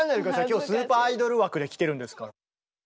今日スーパーアイドル枠で来てるんですから。